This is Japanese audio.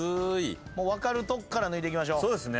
もう分かるとこからぬいていきましょう。